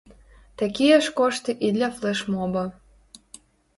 Такія ж кошты і для флэш-моба.